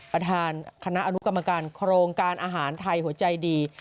ประธานคณะอนุกรรมการโครงการอาหารไทยหัวใจดี